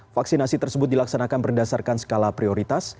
vaksinasi tersebut dilaksanakan berdasarkan skala prioritas